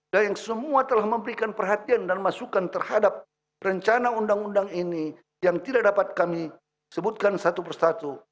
dan yang semua telah memberikan perhatian dan masukan terhadap rencana undang undang ini yang tidak dapat kami sebutkan satu persatu